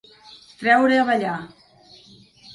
Treure a ballar.